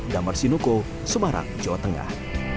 damar sinuko semarang jawa tengah